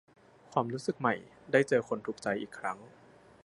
ความรู้สึกใหม่ ได้เจอคนถูกใจอีกครั้ง